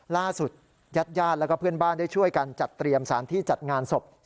ญาติญาติแล้วก็เพื่อนบ้านได้ช่วยกันจัดเตรียมสารที่จัดงานศพ